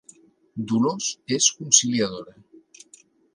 Dolors és conciliadora